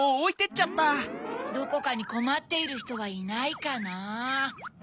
どこかにこまっているひとはいないかな？